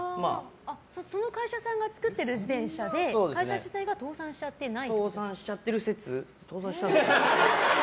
その会社さんが作ってる自転車で、会社自体が倒産しちゃってない？